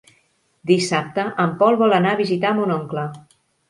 Dissabte en Pol vol anar a visitar mon oncle.